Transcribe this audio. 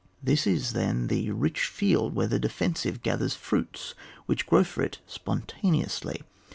This is then the rich field where the defensive gathers fruits which grow for it spontaneously.